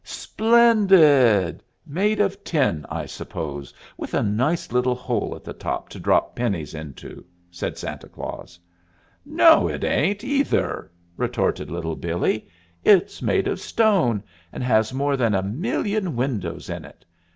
"Splendid! Made of tin, I suppose, with a nice little hole at the top to drop pennies into?" said Santa Claus. "No, it ain't, either!" retorted Little Billee. "It's made of stone, and has more than a million windows in it.